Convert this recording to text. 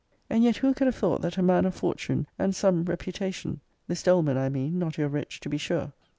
And yet who could have thought that a man of >>> fortune, and some reputation, [this Doleman, I mean not your wretch, to be sure!